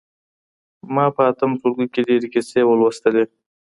ما په اتم ټولګي کي ډېرې کيسې ولوستلې.